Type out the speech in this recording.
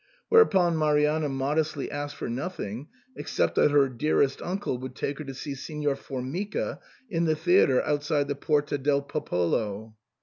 Whereupon Marianna modestly asked for nothing ex cept that her zio carissimo (dearest uncle) would take her to see Signor Formica in the theatre outside the Porta del Popolo.